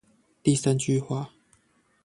第三句話